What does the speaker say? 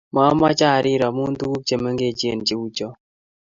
Mamache arir amu tuku che mengechen che u cho